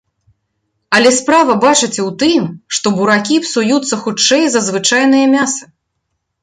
Але справа, бачыце, у тым, што буракі псуюцца хутчэй за звычайнае мяса.